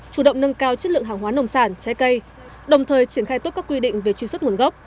chủ động nâng cao chất lượng hàng hóa nông sản trái cây đồng thời triển khai tốt các quy định về truy xuất nguồn gốc